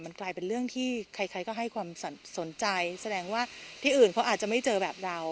มันกลายเป็นเรื่องที่ใครก็ให้ความสนใจแสดงว่าที่อื่นเขาอาจจะไม่เจอแบบเรา